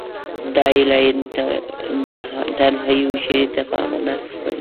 دا یې لایتناهي هوښیاري ته په امانت سپاري